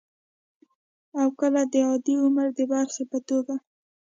او کله د عادي عمر د برخې په توګه